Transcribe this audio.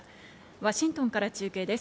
ワシントンから中継です。